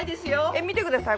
見てください。